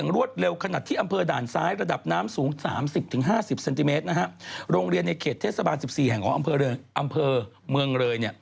โรงเรียนในเขตเทศบาล๑๔แห่งของอำเภอเมืองเรย์